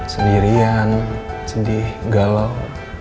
sendirian sedih galau